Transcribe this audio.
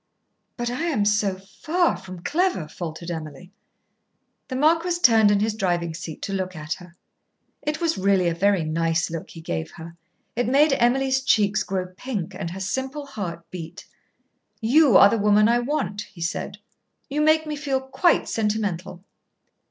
"But I am so far from clever," faltered Emily. The marquis turned in his driving seat to look at her. It was really a very nice look he gave her. It made Emily's cheeks grow pink and her simple heart beat. "You are the woman I want," he said. "You make me feel quite sentimental."